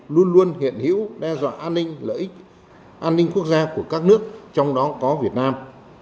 luôn luôn hiện hữu đe dọa an ninh lợi ích an ninh quốc gia của các nước trong đó có việt nam